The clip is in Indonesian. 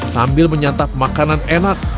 sambil menyantap makanan enak